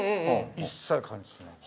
一切感知しない。